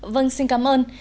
vâng xin cảm ơn